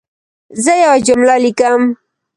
زه یوه جمله لیکم.